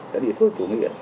đã bị phơi chủ nghĩa